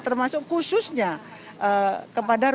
termasuk khususnya kepada rumah